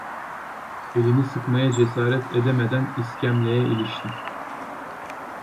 Elini sıkmaya cesaret edemeden iskemleye iliştim.